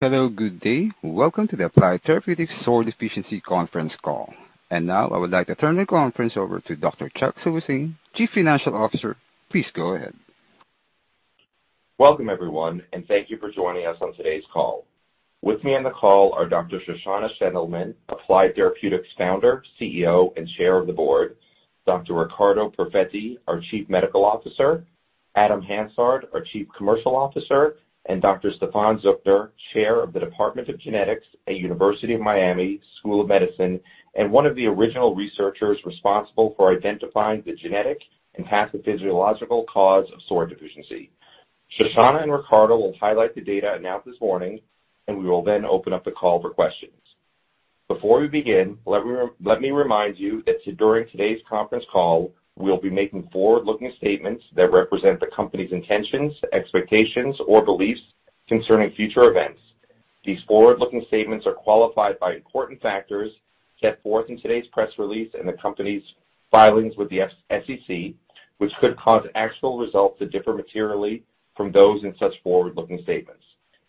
Hello, good day. Welcome to the Applied Therapeutics SORD Deficiency Conference Call. Now I would like to turn the conference over to Dr. Chuck Silberstein, Chief Financial Officer. Please go ahead. Welcome, everyone, and thank you for joining us on today's call. With me on the call are Dr. Shoshana Shendelman, Applied Therapeutics Founder, CEO, and Chair of the Board, Dr. Riccardo Perfetti, our Chief Medical Officer, Adam Hansard, our Chief Commercial Officer, and Dr. Stephan Züchner, Chair of the Department of Genetics at University of Miami School of Medicine and one of the original researchers responsible for identifying the genetic and pathophysiological cause of SORD deficiency. Shoshana and Riccardo will highlight the data announced this morning, and we will then open up the call for questions. Before we begin, let me remind you that during today's conference call, we'll be making forward-looking statements that represent the company's intentions, expectations, or beliefs concerning future events. These forward-looking statements are qualified by important factors set forth in today's press release and the company's filings with the SEC, which could cause actual results to differ materially from those in such forward-looking statements.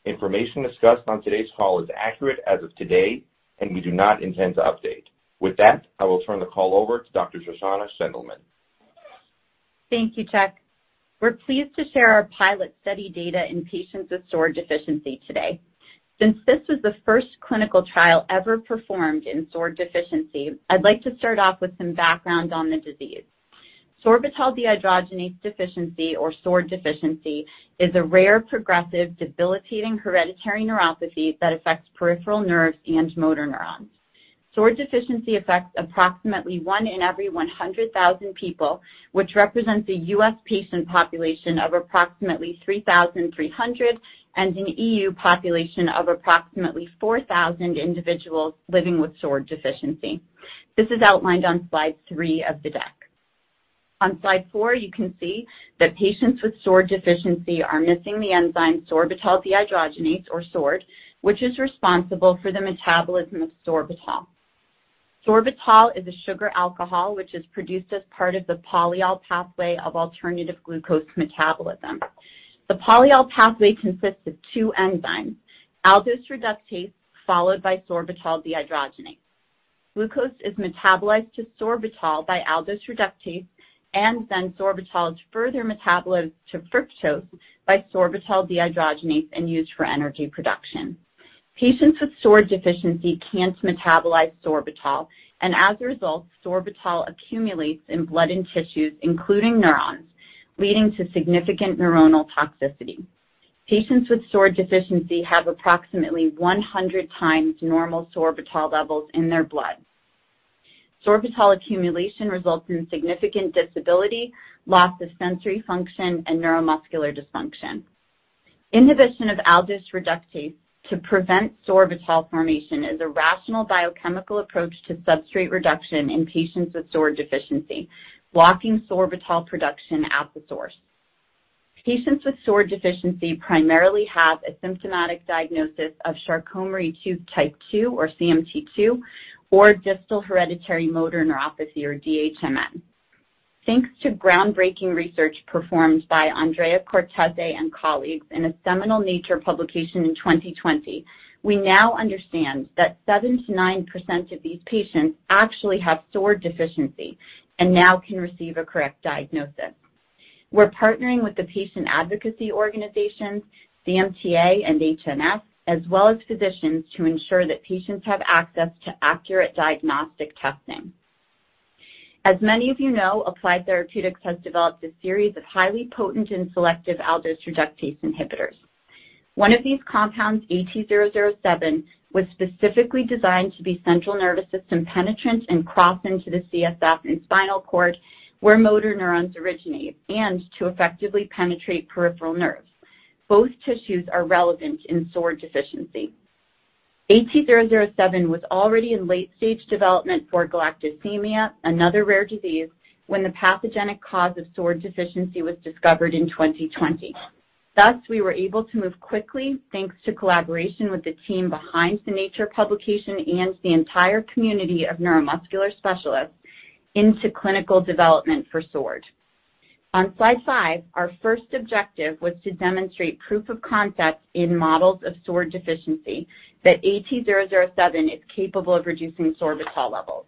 Information discussed on today's call is accurate as of today, and we do not intend to update. With that, I will turn the call over to Dr. Shoshana Shendelman. Thank you, Chuck. We're pleased to share our pilot study data in patients with SORD deficiency today. Since this was the first clinical trial ever performed in SORD deficiency, I'd like to start off with some background on the disease. Sorbitol dehydrogenase deficiency, or SORD deficiency, is a rare, progressive, debilitating hereditary neuropathy that affects peripheral nerves and motor neurons. SORD deficiency affects approximately one in every 100,000 people, which represents a U.S. patient population of approximately 3,300 and an EU population of approximately 4,000 individuals living with SORD deficiency. This is outlined on slide three of the deck. On slide four, you can see that patients with SORD deficiency are missing the enzyme sorbitol dehydrogenase, or SORD, which is responsible for the metabolism of sorbitol. Sorbitol is a sugar alcohol which is produced as part of the polyol pathway of alternative glucose metabolism. The polyol pathway consists of two enzymes, aldose reductase followed by sorbitol dehydrogenase. Glucose is metabolized to sorbitol by aldose reductase and then sorbitol is further metabolized to fructose by sorbitol dehydrogenase and used for energy production. Patients with SORD deficiency can't metabolize sorbitol, and as a result, sorbitol accumulates in blood and tissues, including neurons, leading to significant neuronal toxicity. Patients with SORD deficiency have approximately 100x normal sorbitol levels in their blood. Sorbitol accumulation results in significant disability, loss of sensory function, and neuromuscular dysfunction. Inhibition of aldose reductase to prevent sorbitol formation is a rational biochemical approach to substrate reduction in patients with SORD deficiency, blocking sorbitol production at the source. Patients with SORD deficiency primarily have a symptomatic diagnosis of Charcot-Marie-Tooth Type 2 or CMT2, or distal hereditary motor neuropathy, or DHMN. Thanks to groundbreaking research performed by Andrea Cortese and colleagues in a seminal Nature publication in 2020, we now understand that 7%-9% of these patients actually have SORD deficiency and now can receive a correct diagnosis. We're partnering with the patient advocacy organizations, CMTA and HNF, as well as physicians, to ensure that patients have access to accurate diagnostic testing. As many of you know, Applied Therapeutics has developed a series of highly potent and selective aldose reductase inhibitors. One of these compounds, AT-007, was specifically designed to be central nervous system penetrant and cross into the CSF and spinal cord where motor neurons originate, and to effectively penetrate peripheral nerves. Both tissues are relevant in SORD deficiency. AT-007 was already in late-stage development for galactosemia, another rare disease, when the pathogenic cause of SORD deficiency was discovered in 2020. Thus, we were able to move quickly, thanks to collaboration with the team behind the Nature and the entire community of neuromuscular specialists, into clinical development for SORD. On slide five, our first objective was to demonstrate proof of concept in models of SORD deficiency that AT-007 is capable of reducing sorbitol levels.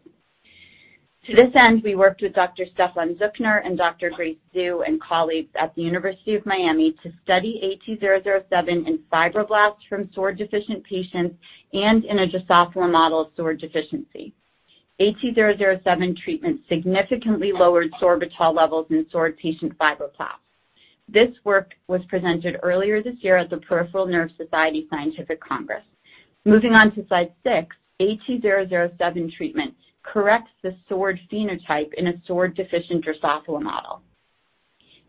To this end, we worked with Dr. Stephan Züchner and Dr. Grace Zhai and colleagues at the University of Miami to study AT-007 in fibroblasts from SORD deficient patients and in a Drosophila model of SORD deficiency. AT-007 treatment significantly lowered sorbitol levels in SORD patient fibroblasts. This work was presented earlier this year at the Peripheral Nerve Society Annual Meeting. Moving on to slide six, AT-007 treatment corrects the SORD phenotype in a SORD deficient Drosophila model.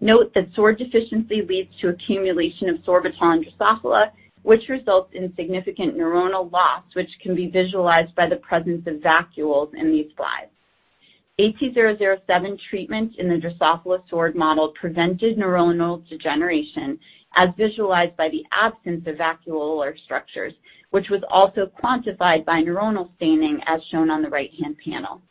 Note that SORD deficiency leads to accumulation of sorbitol in Drosophila, which results in significant neuronal loss, which can be visualized by the presence of vacuoles in these slides. AT-007 treatment in the Drosophila SORD model prevented neuronal degeneration, as visualized by the absence of vacuolar structures, which was also quantified by neuronal staining, as shown on the right-hand panel.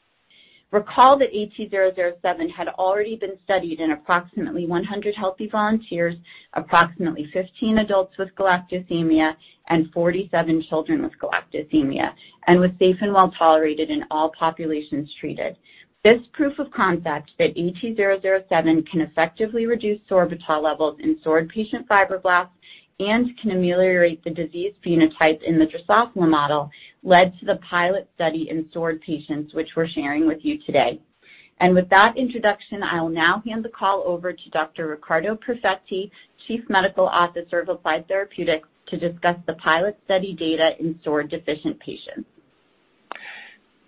Recall that AT-007 had already been studied in approximately 100 healthy volunteers, approximately 15 adults with galactosemia, and 47 children with galactosemia, and was safe and well-tolerated in all populations treated. This proof of concept that AT-007 can effectively reduce sorbitol levels in SORD patient fibroblasts and can ameliorate the disease phenotype in the Drosophila model led to the pilot study in SORD patients, which we're sharing with you today. With that introduction, I will now hand the call over to Dr. Riccardo Perfetti, Chief Medical Officer of Applied Therapeutics, to discuss the pilot study data in SORD deficient patients.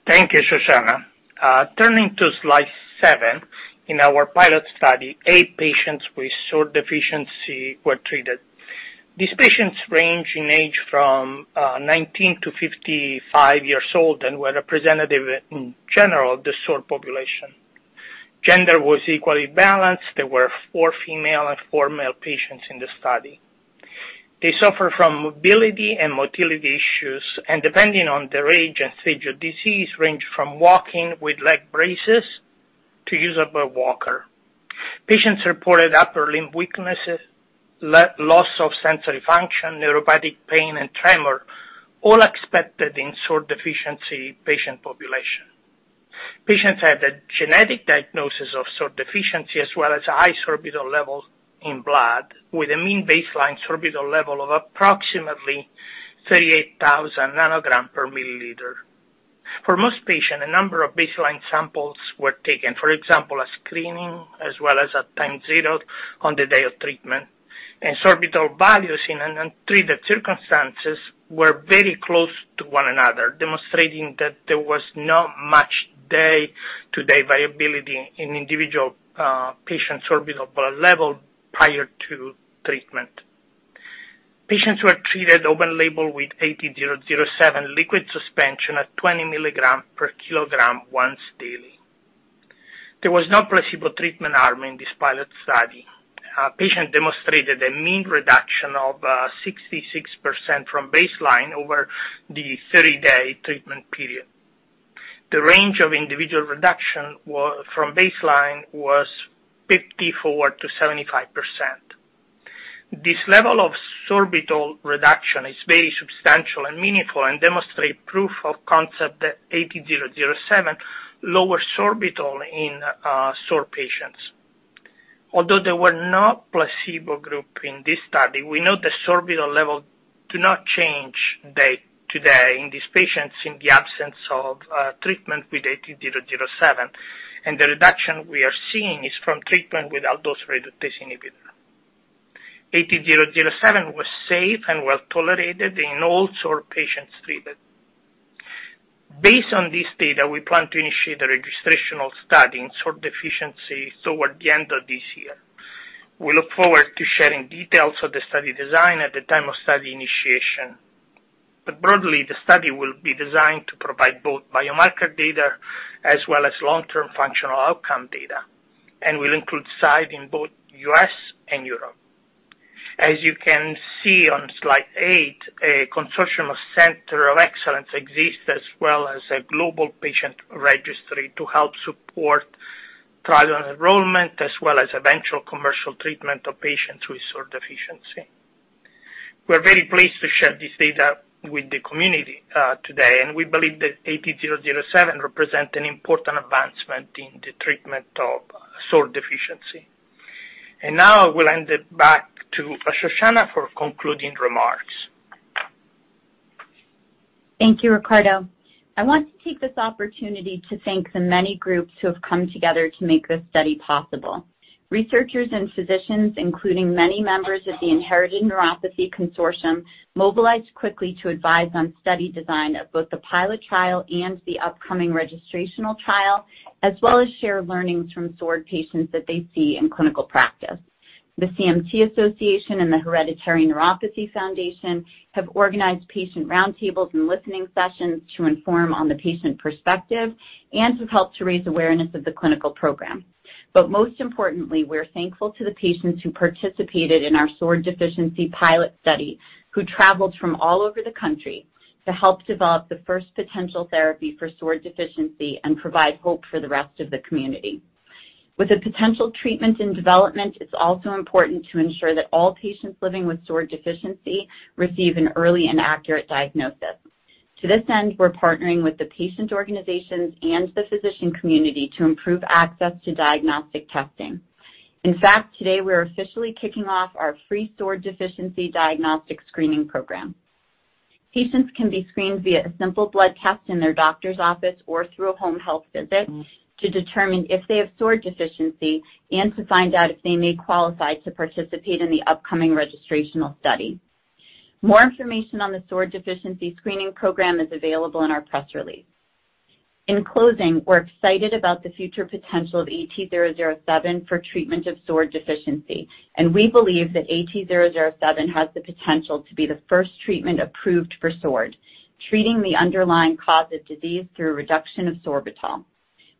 Thank you, Shoshana. Turning to slide seven, in our pilot study, eight patients with SORD deficiency were treated. These patients range in age from 19-55 years old and were representative in general of the SORD population. Gender was equally balanced. There were four female and four male patients in the study. They suffer from mobility and motility issues, and depending on their age and stage of disease, range from walking with leg braces to use of a walker. Patients reported upper limb weakness, loss of sensory function, neuropathic pain, and tremor, all expected in SORD deficiency patient population. Patients had a genetic diagnosis of SORD deficiency as well as high sorbitol levels in blood, with a mean baseline sorbitol level of approximately 38,000 ng per ml. For most patients, a number of baseline samples were taken, for example, a screening as well as at time zero on the day of treatment. sorbitol values in untreated circumstances were very close to one another, demonstrating that there was not much day-to-day viability in individual patient sorbitol blood level prior to treatment. Patients were treated open label with AT-007 liquid suspension at 20 mg per kg once daily. There was no placebo treatment arm in this pilot study. A patient demonstrated a mean reduction of 66% from baseline over the 30-day treatment period. The range of individual reduction from baseline was 54%-75%. This level of sorbitol reduction is very substantial and meaningful and demonstrate proof of concept that AT-007 lower sorbitol in SORD patients. Although there were no placebo group in this study, we know the sorbitol level do not change day to day in these patients in the absence of treatment with AT-007, and the reduction we are seeing is from treatment with aldose reductase inhibitor. AT-007 was safe and well-tolerated in all SORD patients treated. Based on this data, we plan to initiate a registrational study in SORD deficiency toward the end of this year. We look forward to sharing details of the study design at the time of study initiation. Broadly, the study will be designed to provide both biomarker data as well as long-term functional outcome data and will include site in both U.S. and Europe. As you can see on slide eight, a consortium of center of excellence exists as well as a global patient registry to help support trial enrollment as well as eventual commercial treatment of patients with SORD deficiency. We're very pleased to share this data with the community today, we believe that AT-007 represent an important advancement in the treatment of SORD deficiency. Now I will hand it back to Shoshana for concluding remarks. Thank you, Riccardo. I want to take this opportunity to thank the many groups who have come together to make this study possible. Researchers and physicians, including many members of the Inherited Neuropathy Consortium, mobilized quickly to advise on study design of both the pilot trial and the upcoming registrational trial, as well as share learnings from SORD patients that they see in clinical practice. The CMT Association and the Hereditary Neuropathy Foundation have organized patient round tables and listening sessions to inform on the patient perspective and have helped to raise awareness of the clinical program. Most importantly, we're thankful to the patients who participated in our SORD deficiency pilot study, who traveled from all over the country to help develop the first potential therapy for SORD deficiency and provide hope for the rest of the community. With a potential treatment in development, it's also important to ensure that all patients living with SORD deficiency receive an early and accurate diagnosis. To this end, we're partnering with the patient organizations and the physician community to improve access to diagnostic testing. In fact, today, we're officially kicking off our free SORD deficiency diagnostic screening program. Patients can be screened via a simple blood test in their doctor's office or through a home health visit to determine if they have SORD deficiency and to find out if they may qualify to participate in the upcoming registrational study. More information on the SORD deficiency screening program is available in our press release. In closing, we're excited about the future potential of AT-007 for treatment of SORD deficiency, and we believe that AT-007 has the potential to be the first treatment approved for SORD, treating the underlying cause of disease through a reduction of sorbitol.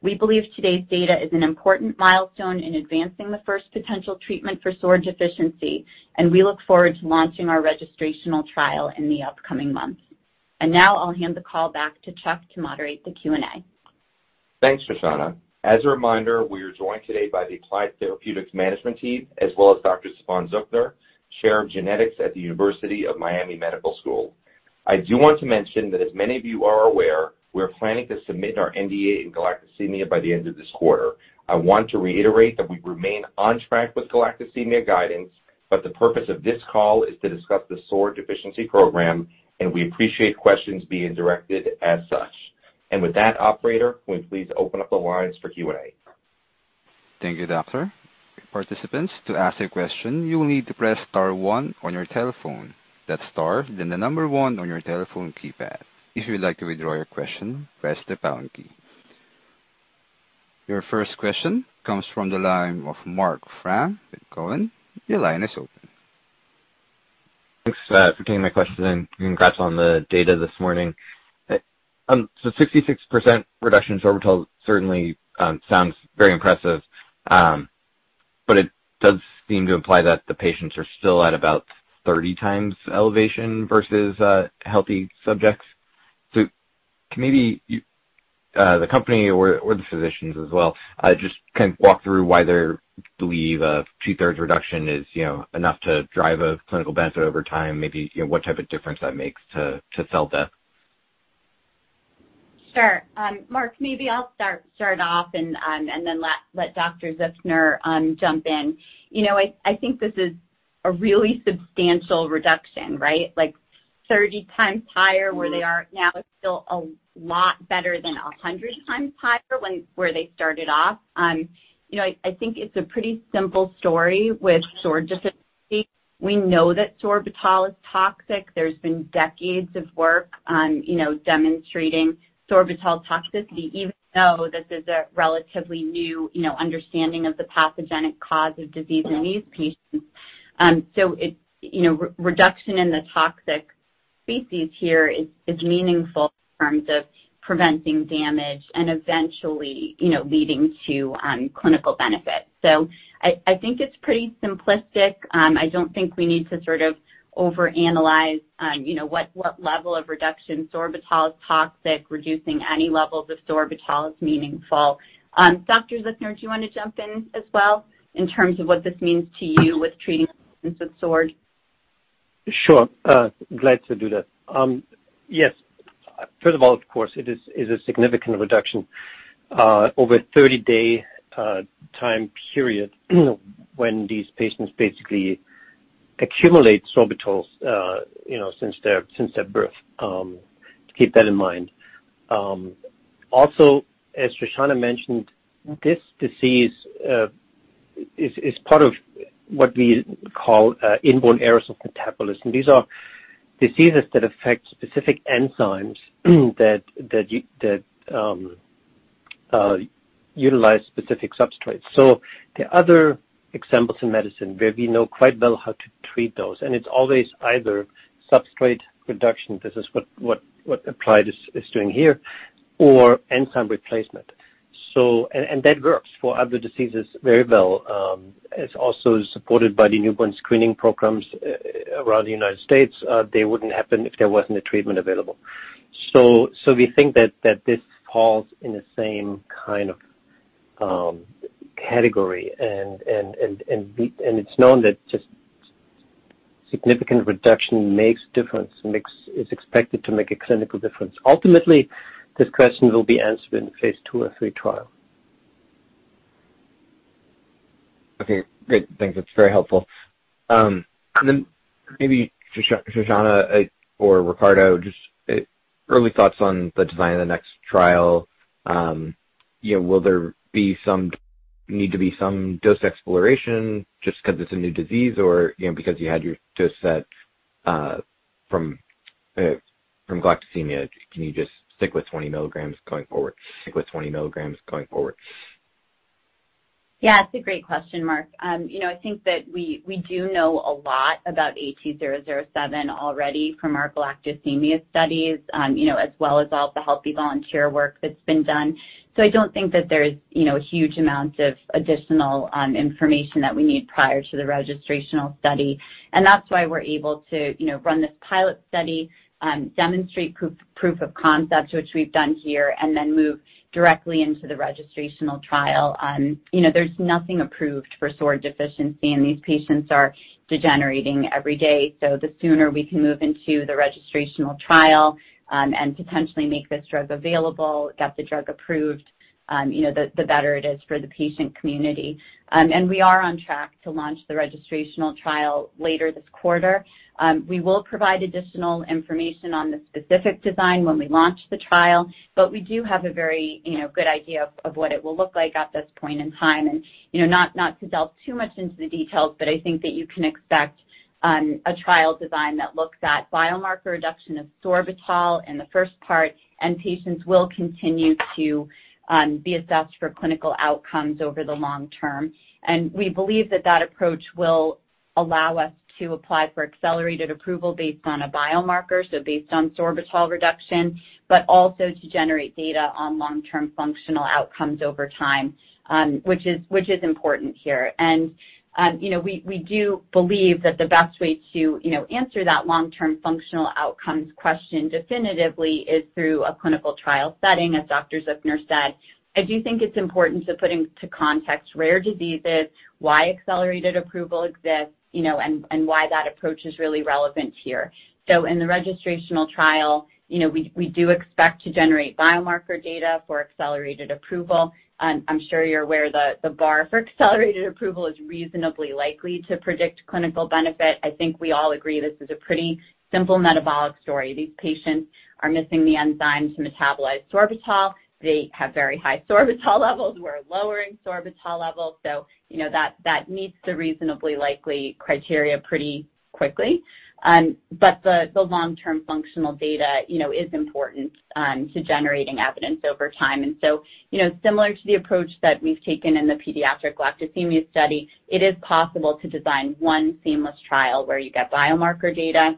We believe today's data is an important milestone in advancing the first potential treatment for SORD deficiency, and we look forward to launching our registrational trial in the upcoming months. Now I'll hand the call back to Chuck to moderate the Q&A. Thanks, Shoshana. As a reminder, we are joined today by the Applied Therapeutics management team, as well as Dr. Stephan Züchner, Chair of Genetics at the University of Miami Medical School. I do want to mention that as many of you are aware, we are planning to submit our NDA in galactosemia by the end of this quarter. I want to reiterate that we remain on track with galactosemia guidance. The purpose of this call is to discuss the SORD deficiency program. We appreciate questions being directed as such. With that, operator, will you please open up the lines for Q&A? Thank you, Doctor. Participants, to ask a question, you will need to press star one on your telephone. That's star, then the number one on your telephone keypad. If you'd like to withdraw your question, press the pound key. Your first question comes from the line of Marc Frahm with Cowen. Your line is open. Thanks for taking my question, and congrats on the data this morning. 66% reduction in sorbitol certainly sounds very impressive. It does seem to imply that the patients are still at about 30x elevation versus healthy subjects. Can maybe you, the company or the physicians as well, just kind of walk through why they believe a 2/3 reduction is enough to drive a clinical benefit over time, maybe what type of difference that makes to cell death? Sure. Marc, maybe I'll start off and then let Dr. Züchner jump in. I think this is a really substantial reduction, right? 30x higher where they are now is still a lot better than 100x higher where they started off. I think it's a pretty simple story with SORD deficiency. We know that sorbitol is toxic. There's been decades of work demonstrating sorbitol toxicity, even though this is a relatively new understanding of the pathogenic cause of disease in these patients. Reduction in the toxic species here is meaningful in terms of preventing damage and eventually leading to clinical benefit. I think it's pretty simplistic. I don't think we need to sort of overanalyze what level of reduction. Sorbitol is toxic. Reducing any levels of sorbitol is meaningful. Dr. Stephan Züchner, do you want to jump in as well in terms of what this means to you with treating patients with SORD? Sure. Glad to do that. First of all, of course, it is a significant reduction over a 30-day time period when these patients basically accumulate sorbitol since their birth. Keep that in mind. Also, as Shoshana mentioned, this disease is part of what we call inborn errors of metabolism. These are diseases that affect specific enzymes that utilize specific substrates. There are other examples in medicine where we know quite well how to treat those, and it's always either substrate reduction, this is what Applied is doing here, or enzyme replacement. That works for other diseases very well. It's also supported by the newborn screening programs around the U.S. They wouldn't happen if there wasn't a treatment available. We think that this falls in the same kind of category and it's known that just significant reduction makes difference, is expected to make a clinical difference. Ultimately, this question will be answered in the phase II or III trial. Okay, great. Thanks. That's very helpful. Maybe Shoshana or Riccardo, just early thoughts on the design of the next trial. Will there need to be some dose exploration just because it's a new disease? Because you had your dose set from galactosemia, can you just stick with 20 mg going forward? Yeah. It's a great question, Marc. I think that we do know a lot about AT-007 already from our galactosemia studies, as well as all the healthy volunteer work that's been done. I don't think that there's huge amounts of additional information that we need prior to the registrational study, and that's why we're able to run this pilot study, demonstrate proof of concept, which we've done here, and then move directly into the registrational trial. There's nothing approved for SORD deficiency, and these patients are degenerating every day. The sooner we can move into the registrational trial and potentially make this drug available, get the drug approved, the better it is for the patient community. We are on track to launch the registrational trial later this quarter. We will provide additional information on the specific design when we launch the trial, but we do have a very good idea of what it will look like at this point in time. Not to delve too much into the details, but I think that you can expect a trial design that looks at biomarker reduction of sorbitol in the first part, and patients will continue to be assessed for clinical outcomes over the long term. We believe that that approach will allow us to apply for accelerated approval based on a biomarker, so based on sorbitol reduction, but also to generate data on long-term functional outcomes over time, which is important here. We do believe that the best way to answer that long-term functional outcomes question definitively is through a clinical trial setting, as Dr. Züchner said. I do think it's important to put into context rare diseases, why accelerated approval exists, and why that approach is really relevant here. In the registrational trial, we do expect to generate biomarker data for accelerated approval. I'm sure you're aware the bar for accelerated approval is reasonably likely to predict clinical benefit. I think we all agree this is a pretty simple metabolic story. These patients are missing the enzyme to metabolize sorbitol. They have very high sorbitol levels. We're lowering sorbitol levels, that meets the reasonably likely criteria pretty quickly. The long-term functional data is important to generating evidence over time. Similar to the approach that we've taken in the pediatric galactosemia study, it is possible to design one seamless trial where you get biomarker data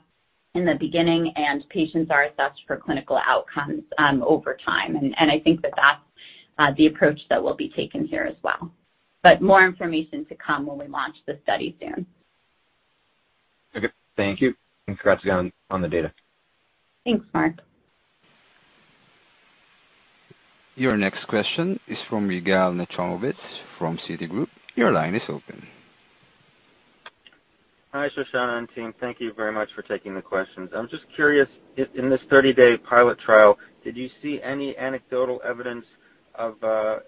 in the beginning, and patients are assessed for clinical outcomes over time. I think that that's the approach that will be taken here as well. More information to come when we launch the study soon. Okay. Thank you. Congrats on the data. Thanks, Marc. Your next question is from Yigal Nochomovitz from Citigroup. Your line is open. Hi, Shoshana and team. Thank you very much for taking the questions. I'm just curious, in this 30-day pilot trial, did you see any anecdotal evidence of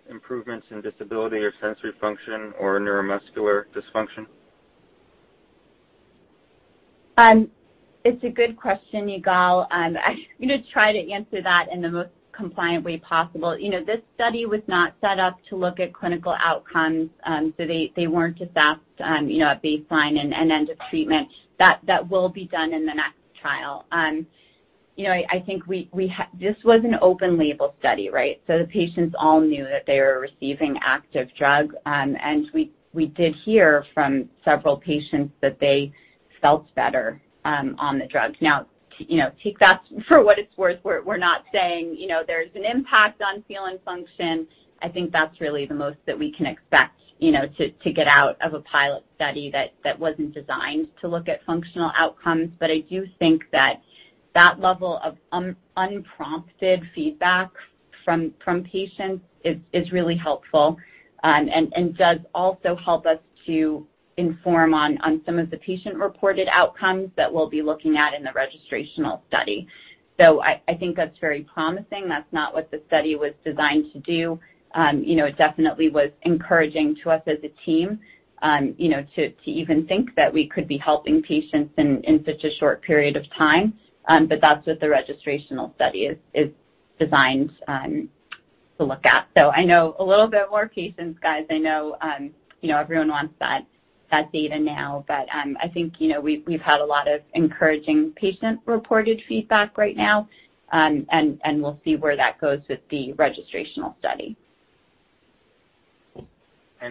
improvements in disability or sensory function or neuromuscular dysfunction? It's a good question, Yigal. I'm going to try to answer that in the most compliant way possible. This study was not set up to look at clinical outcomes. They weren't assessed at baseline and end of treatment. That will be done in the next trial. This was an open-label study, right? The patients all knew that they were receiving active drug. We did hear from several patients that they felt better on the drug. Now, take that for what it's worth. We're not saying there's an impact on feeling function. I think that's really the most that we can expect to get out of a pilot study that wasn't designed to look at functional outcomes. I do think that that level of unprompted feedback from patients is really helpful and does also help us to inform on some of the patient-reported outcomes that we'll be looking at in the registrational study. I think that's very promising. That's not what the study was designed to do. It definitely was encouraging to us as a team, to even think that we could be helping patients in such a short period of time. That's what the registrational study is designed to look at. I know a little bit more patience, guys. I know everyone wants that data now, but I think we've had a lot of encouraging patient-reported feedback right now, and we'll see where that goes with the registrational study.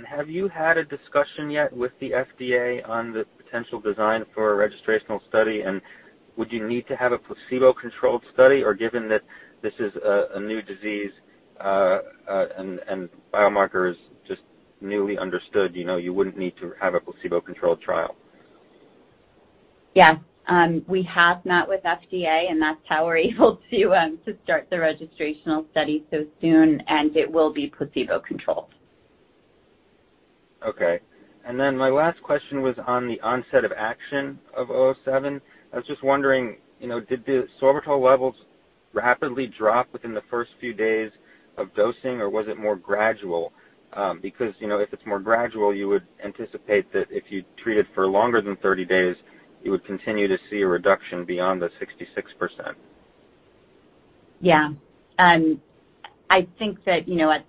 Have you had a discussion yet with the FDA on the potential design for a registrational study? Would you need to have a placebo-controlled study? Given that this is a new disease and biomarker is just newly understood, you wouldn't need to have a placebo-controlled trial? Yeah. We have met with FDA, and that's how we're able to start the registrational study so soon, and it will be placebo-controlled. Okay. My last question was on the onset of action of AT-007. I was just wondering, did the sorbitol levels rapidly drop within the first few days of dosing, or was it more gradual? Because if it's more gradual, you would anticipate that if you treat it for longer than 30 days, you would continue to see a reduction beyond the 66%. Yeah. I think that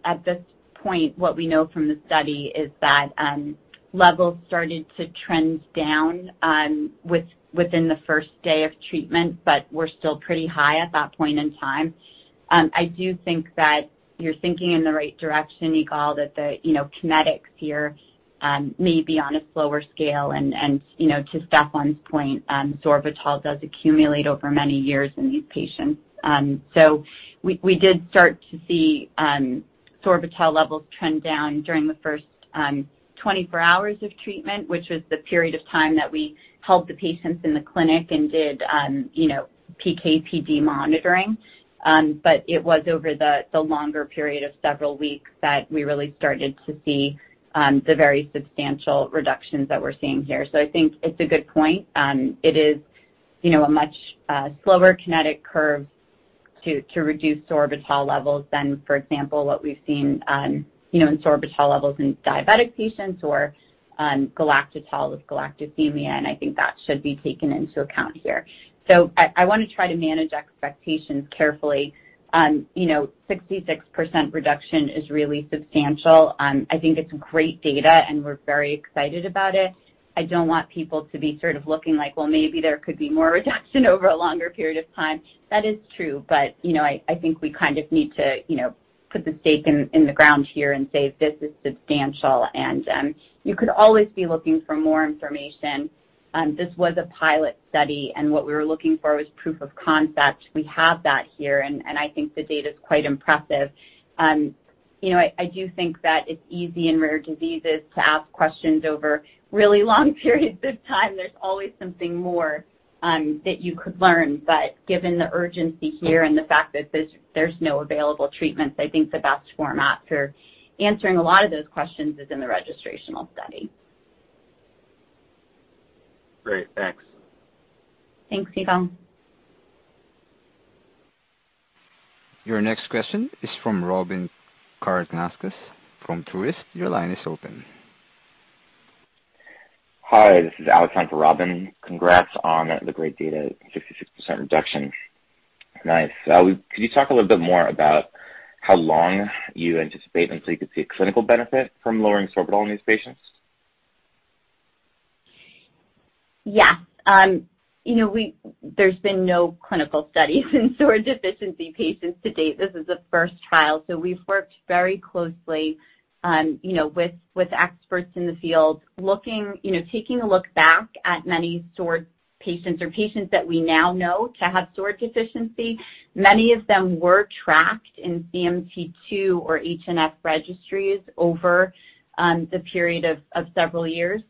at this point, what we know from the study is that levels started to trend down within the first day of treatment, but were still pretty high at that point in time. I do think that you're thinking in the right direction, Yigal, that the kinetics here may be on a slower scale. To Stephan's point, sorbitol does accumulate over many years in these patients. We did start to see sorbitol levels trend down during the first 24 hours of treatment, which was the period of time that we held the patients in the clinic and did PK/PD monitoring. It was over the longer period of several weeks that we really started to see the very substantial reductions that we're seeing here. I think it's a good point. It is a much slower kinetic curve to reduce sorbitol levels than, for example, what we've seen in sorbitol levels in diabetic patients or galactitol with galactosemia. I think that should be taken into account here. I want to try to manage expectations carefully. 66% reduction is really substantial. I think it's great data. We're very excited about it. I don't want people to be sort of looking like, "Well, maybe there could be more reduction over a longer period of time." That is true. I think we kind of need to put the stake in the ground here and say this is substantial. You could always be looking for more information. This was a pilot study. What we were looking for was proof of concept. We have that here. I think the data's quite impressive. I do think that it's easy in rare diseases to ask questions over really long periods of time. There's always something more that you could learn. Given the urgency here and the fact that there's no available treatments, I think the best format for answering a lot of those questions is in the registrational study. Great. Thanks. Thanks, Yigal. Your next question is from Robyn Karnauskas from Truist. Your line is open. Hi, this is Alex on for Robyn. Congrats on the great data, 56% reduction. Nice. Could you talk a little bit more about how long you anticipate until you could see a clinical benefit from lowering sorbitol in these patients? Yeah. There's been no clinical studies in SORD deficiency patients to date. This is the first trial. We've worked very closely with experts in the field, taking a look back at many SORD patients or patients that we now know to have SORD deficiency. Many of them were tracked in CMT2 or HNF registries over the period of several years.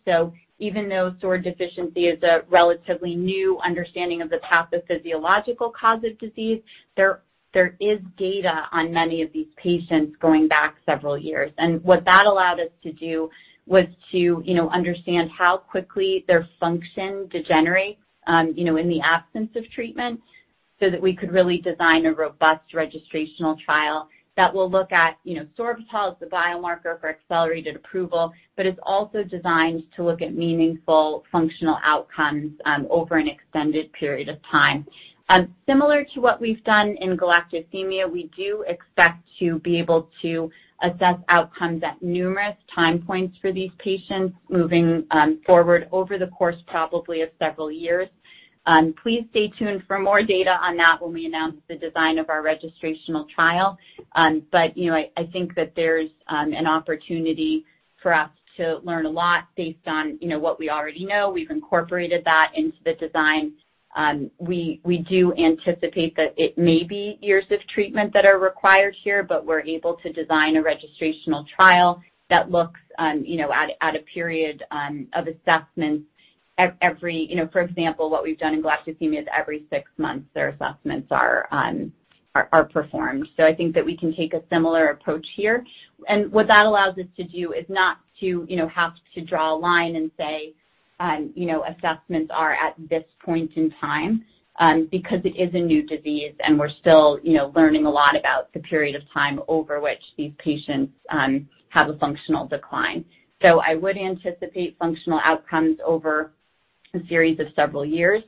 Even though SORD deficiency is a relatively new understanding of the pathophysiological cause of disease, there is data on many of these patients going back several years. What that allowed us to do was to understand how quickly their function degenerates in the absence of treatment, so that we could really design a robust registrational trial that will look at sorbitol as the biomarker for accelerated approval, but is also designed to look at meaningful functional outcomes over an extended period of time. Similar to what we've done in galactosemia, we do expect to be able to assess outcomes at numerous time points for these patients moving forward over the course, probably of several years. Please stay tuned for more data on that when we announce the design of our registrational trial. I think that there's an opportunity for us to learn a lot based on what we already know. We've incorporated that into the design. We do anticipate that it may be years of treatment that are required here, but we're able to design a registrational trial that looks at a period of assessments every, for example, what we've done in galactosemia is every six months their assessments are performed. I think that we can take a similar approach here. What that allows us to do is not to have to draw a line and say, assessments are at this point in time, because it is a new disease, and we're still learning a lot about the period of time over which these patients have a functional decline. I would anticipate functional outcomes over a series of several years.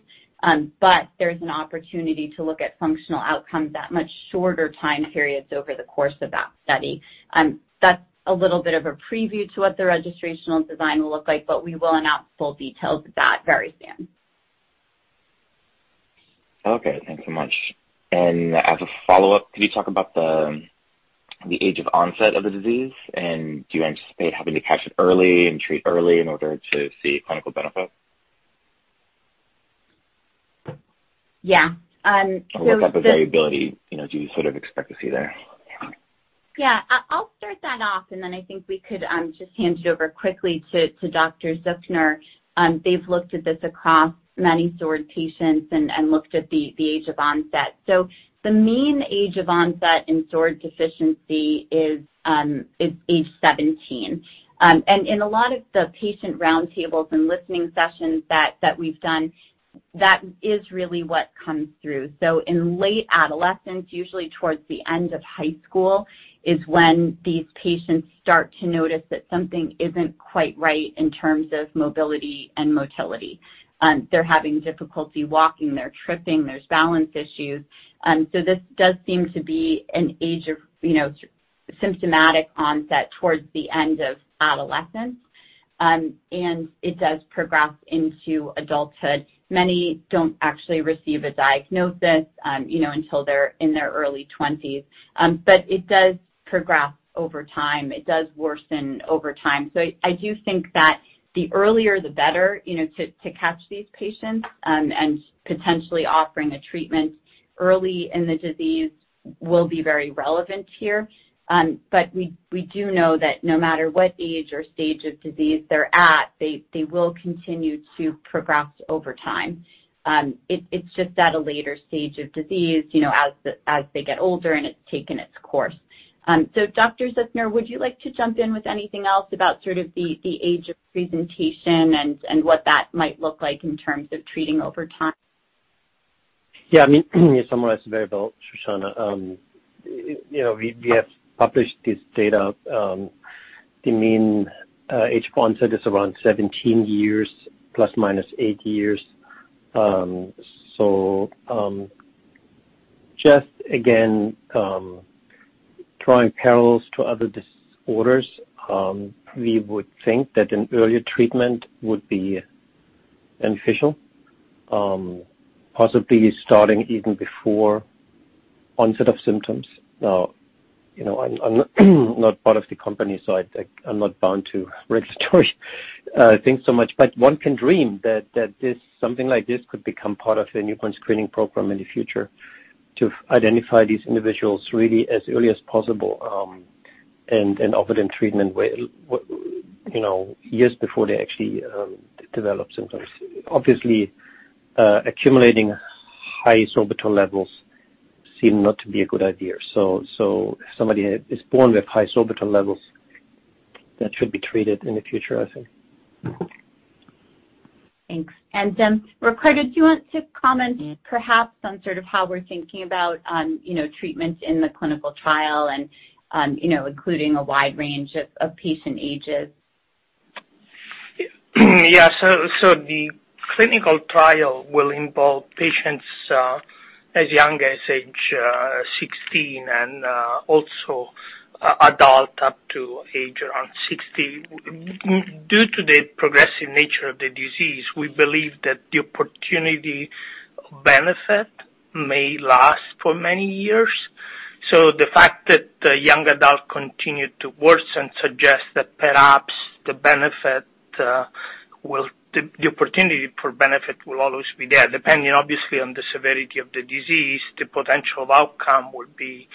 But there's an opportunity to look at functional outcomes at much shorter time periods over the course of that study. That's a little bit of a preview to what the registrational design will look like, but we will announce full details of that very soon. Okay, thanks so much. As a follow-up, could you talk about the age of onset of the disease, and do you anticipate having to catch it early and treat early in order to see clinical benefit? Yeah. What type of variability do you sort of expect to see there? I'll start that off, and then I think we could just hand it over quickly to Dr. Züchner. They've looked at this across many SORD patients and looked at the age of onset. The mean age of onset in SORD deficiency is age 17. In a lot of the patient roundtables and listening sessions that we've done, that is really what comes through. In late adolescence, usually towards the end of high school, is when these patients start to notice that something isn't quite right in terms of mobility and motility. They're having difficulty walking. They're tripping. There's balance issues. This does seem to be an age of symptomatic onset towards the end of adolescence. It does progress into adulthood. Many don't actually receive a diagnosis until they're in their early 20s. It does progress over time. It does worsen over time. I do think that the earlier the better to catch these patients. Potentially offering a treatment early in the disease will be very relevant here. We do know that no matter what age or stage of disease they're at, they will continue to progress over time. It's just at a later stage of disease, as they get older and it's taken its course. Dr. Züchner, would you like to jump in with anything else about sort of the age of presentation and what that might look like in terms of treating over time? Yeah. You summarized it very well, Shoshana. We have published this data. The mean age of onset is around 17 years, ±8 years. Just again, drawing parallels to other disorders, we would think that an earlier treatment would be beneficial, possibly starting even before onset of symptoms. I'm not part of the company, so I'm not bound to regulatory. Thanks so much. But one can dream that something like this could become part of a newborn screening program in the future to identify these individuals really as early as possible and offer them treatment years before they actually develop symptoms. Obviously, accumulating high sorbitol levels seem not to be a good idea. Somebody is born with high sorbitol levels, that should be treated in the future, I think. Thanks. Riccardo, do you want to comment perhaps on sort of how we're thinking about treatments in the clinical trial and including a wide range of patient ages? The clinical trial will involve patients as young as age 16 and also adult up to age around 60. Due to the progressive nature of the disease, we believe that the opportunity benefit may last for many years. The fact that the young adult continued to worsen suggests that perhaps the opportunity for benefit will always be there. Depending, obviously, on the severity of the disease, the potential outcome would be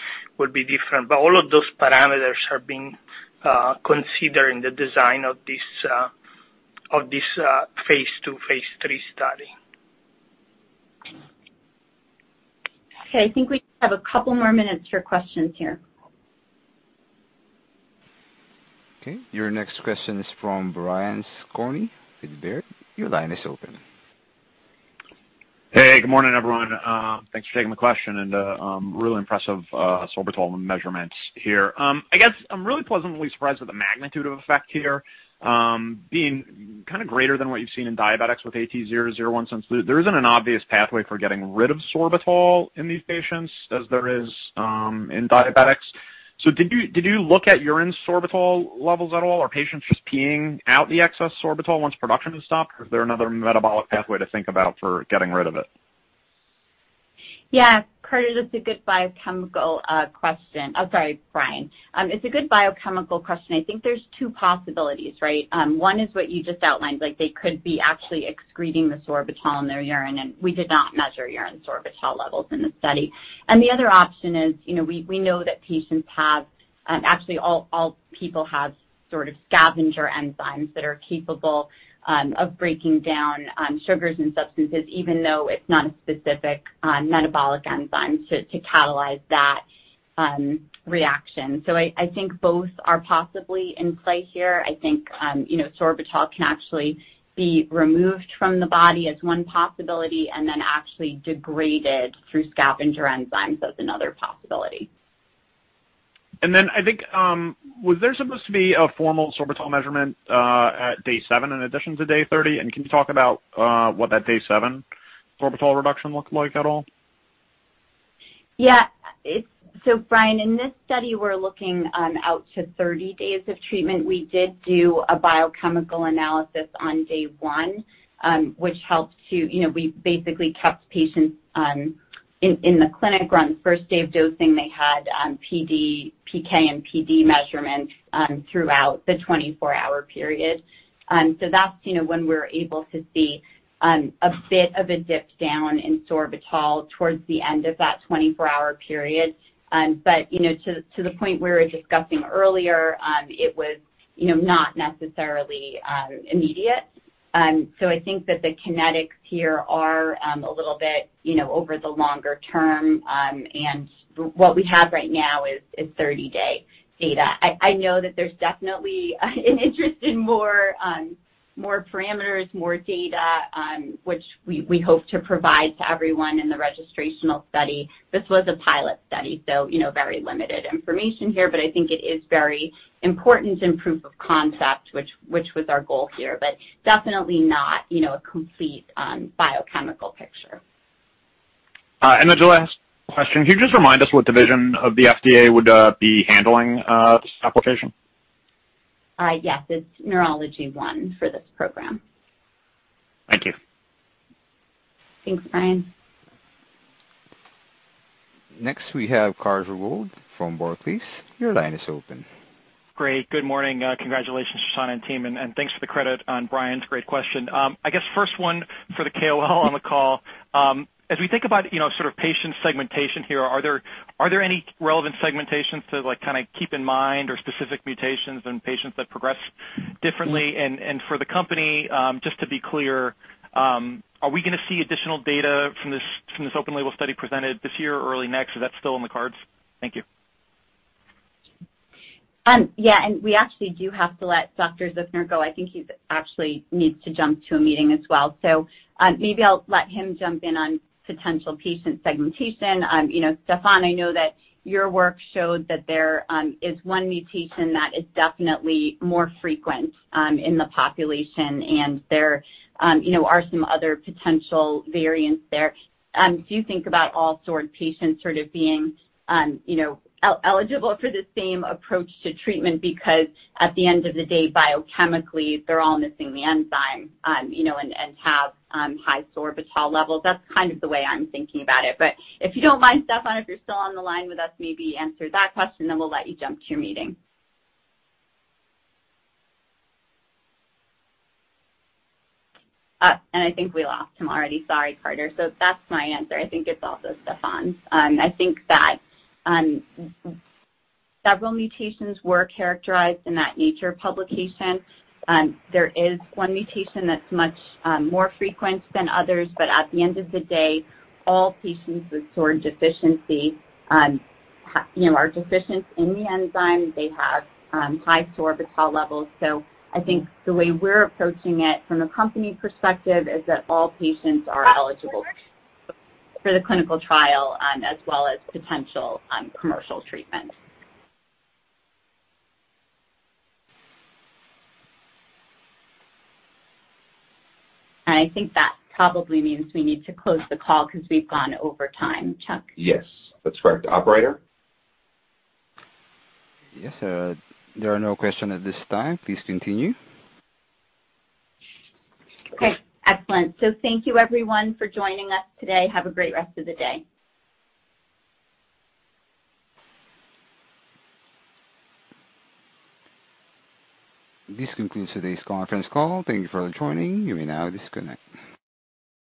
different. All of those parameters are being considered in the design of this phase II, phase III study. Okay. I think we have a couple more minutes for questions here. Okay. Your next question is from Brian Skorney with Baird. Your line is open. Hey, good morning, everyone. Thanks for taking the question, and really impressive sorbitol measurements here. I guess I'm really pleasantly surprised with the magnitude of effect here being kind of greater than what you've seen in diabetics with AT-001 since there isn't an obvious pathway for getting rid of sorbitol in these patients as there is in diabetics. Did you look at urine sorbitol levels at all, or patients just peeing out the excess sorbitol once production has stopped? Is there another metabolic pathway to think about for getting rid of it? Yeah. Carter, that's a good biochemical question. Oh, sorry, Brian. It's a good biochemical question. I think there's two possibilities, right? One is what you just outlined. They could be actually excreting the sorbitol in their urine, and we did not measure urine sorbitol levels in the study. The other option is, we know that patients have, actually, all people have sort of scavenger enzymes that are capable of breaking down sugars and substances, even though it's not a specific metabolic enzyme to catalyze that reaction. I think both are possibly in play here. I think sorbitol can actually be removed from the body as one possibility and then actually degraded through scavenger enzymes as another possibility. I think, was there supposed to be a formal sorbitol measurement at day seven in addition to day 30? Can you talk about what that day seven sorbitol reduction looked like at all? Yeah. Brian, in this study, we're looking out to 30 days of treatment. We did do a biochemical analysis on day one. We basically kept patients in the clinic around the first day of dosing. They had PK and PD measurements throughout the 24-hour period. That's when we were able to see a bit of a dip down in sorbitol towards the end of that 24-hour period. To the point we were discussing earlier, it was not necessarily immediate. I think that the kinetics here are a little bit over the longer term, and what we have right now is 30-day data. I know that there's definitely an interest in more parameters, more data, which we hope to provide to everyone in the registrational study. This was a pilot study, so very limited information here, but I think it is very important in proof of concept, which was our goal here, but definitely not a complete biochemical picture. The last question, could you just remind us what division of the FDA would be handling this application? Yes. It's Neurology I for this program. Thank you. Thanks, Brian. Next, we have Carter Gould from Barclays. Your line is open. Great. Good morning. Congratulations, Shoshana and team, and thanks for the credit on Brian's great question. I guess first one for the KOL on the call. As we think about sort of patient segmentation here, are there any relevant segmentations to kind of keep in mind or specific mutations in patients that progress differently? For the company, just to be clear, are we going to see additional data from this open label study presented this year or early next? Is that still in the cards? Thank you. Yeah, we actually do have to let Dr. Züchner go. I think he actually needs to jump to a meeting as well. Maybe I'll let him jump in on potential patient segmentation. Stephan, I know that your work showed that there is one mutation that is definitely more frequent in the population, and there are some other potential variants there. Do you think about all SORD patients sort of being eligible for the same approach to treatment because, at the end of the day, biochemically, they're all missing the enzyme and have high sorbitol levels? That's kind of the way I'm thinking about it. If you don't mind, Stephan, if you're still on the line with us, maybe answer that question, then we'll let you jump to your meeting. I think we lost him already. Sorry, Carter. That's my answer. I think it's also Stephan's. I think that several mutations were characterized in that Nature publication. There is one mutation that's much more frequent than others, but at the end of the day, all patients with SORD deficiency are deficient in the enzyme. They have high sorbitol levels. I think the way we're approaching it from a company perspective is that all patients are eligible for the clinical trial as well as potential commercial treatment. I think that probably means we need to close the call because we've gone over time. Chuck? Yes, that's correct. Operator? Yes. There are no questions at this time. Please continue. Okay. Excellent. Thank you everyone for joining us today. Have a great rest of the day. This concludes today's conference call. Thank you for joining. You may now disconnect.